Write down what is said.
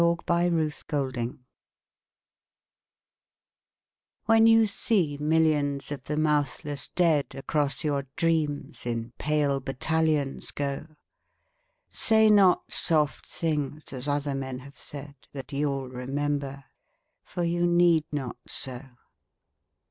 XCI The Army of Death WHEN you see millions of the mouthless dead Across your dreams in pale battalions go, Say not soft things as other men have said, That you'll remember. For you need not so.